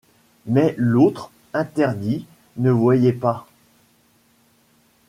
Mais l’autre, interdit, ne voyait pas.